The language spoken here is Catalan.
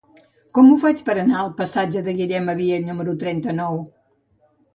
Com ho faig per anar al passatge de Guillem Abiell número trenta-nou?